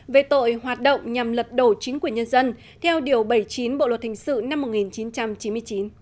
về tội hoạt động nhằm lật đổ chính quyền nhân dân theo điều bảy mươi chín bộ luật hình sự năm một nghìn chín trăm chín mươi chín